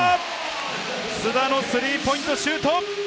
須田のスリーポイントシュート！